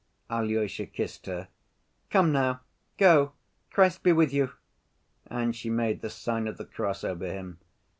Alyosha kissed her. "Come, now go. Christ be with you!" and she made the sign of the cross over him.